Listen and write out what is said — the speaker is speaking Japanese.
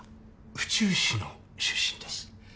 府中市の出身です